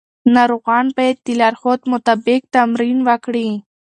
ناروغان باید د لارښود مطابق تمرین وکړي.